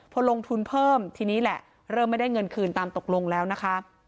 พอลงทุนเพิ่มทีนี้แหละเริ่มไม่ได้เงินคืนตามตกลงแล้วนะคะ